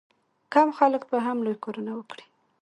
کم خلک به هم لوی کارونه وکړي.